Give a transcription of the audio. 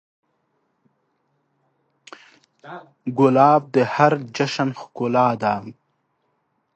ګلاب د هر جشن ښکلا ده.